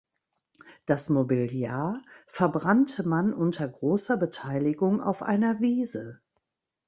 Das Mobiliar verbrannte man unter großer Beteiligung auf einer Wiese.